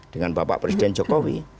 dengan bapak presiden jokowi